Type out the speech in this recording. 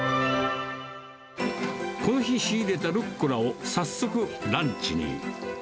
この日、仕入れたルッコラを早速、ランチに。